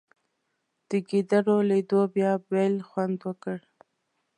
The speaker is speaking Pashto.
د ګېډړو لیدو بیا بېل خوند وکړ.